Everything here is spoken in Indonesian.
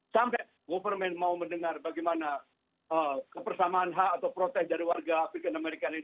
sampai government mau mendengar bagaimana kepersamaan hak atau protes dari warga african american ini